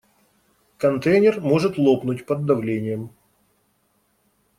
Контейнер может лопнуть под давлением.